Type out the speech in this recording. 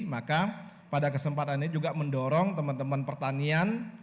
maka pada kesempatan ini juga mendorong teman teman pertanian